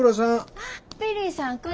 あっベリーさん。